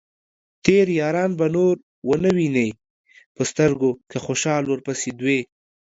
تېر ياران به نور ؤنه وينې په سترګو ، که خوشال ورپسې دوې